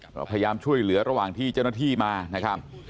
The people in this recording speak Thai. ก็พยายามช่วยเหลือระหว่างที่เจ้าหน้าที่มานะครับ